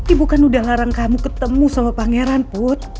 ibu kan udah larang kamu ketemu sama pangeran put